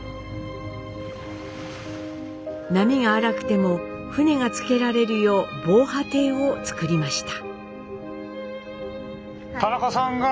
波が荒くても船が着けられるよう防波堤を造りました。